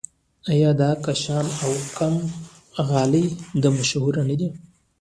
آیا د کاشان او قم غالۍ هم مشهورې نه دي؟